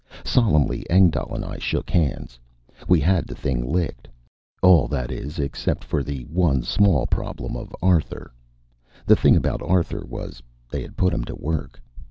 Solemnly Engdahl and I shook hands. We had the thing licked. All, that is, except for the one small problem of Arthur. The thing about Arthur was they had put him to work.